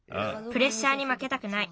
プレッシャーにまけたくない。